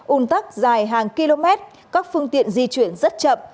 un tắc dài hàng km các phương tiện di chuyển rất chậm